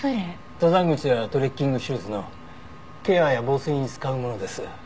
登山靴やトレッキングシューズのケアや防水に使うものです。